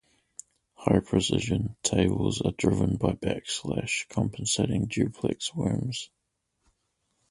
High precision tables are driven by backlash compensating duplex worms.